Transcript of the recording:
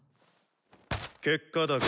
結果だが。